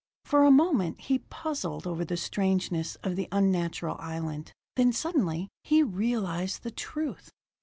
For a moment he puzzled over the strangeness of the unnatural island; then suddenly he realized the truth.